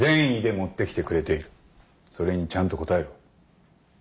それにちゃんと応えろ。